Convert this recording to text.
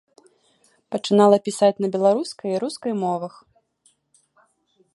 Пачынала пісаць на беларускай і рускай мовах.